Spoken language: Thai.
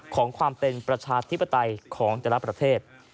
ของความเป็นประชาธิปไตยของแต่ละประเทศ